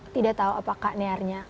tidak tahu apa kak nearnya